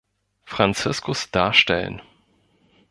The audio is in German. Franziskus darstellen.